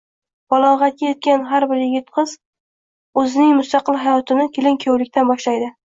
Balog‘atga yetgan har bir yigit-qiz o‘zining mustaqil hayotini kelin-kuyovlikdan boshlaydi.